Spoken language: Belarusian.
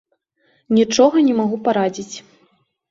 Нічога не магу парадзіць!